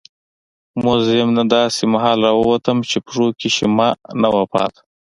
موزیم نه داسې مهال راووتم چې پښو کې شیمه نه وه پاتې.